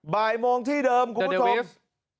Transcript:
บ่ายโมงที่เดิมคุณผู้ชม